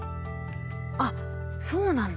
あっそうなんだ。